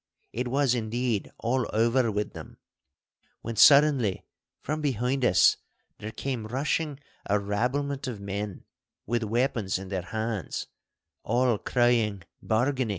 It was, indeed, all over with them, when suddenly, from behind us, there came rushing a rabblement of men with weapons in their hands, all crying 'Bargany!